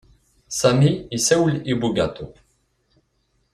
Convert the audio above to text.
Sami issawel i bugaṭu.